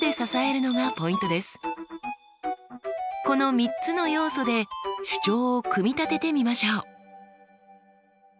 この３つの要素で主張を組み立ててみましょう。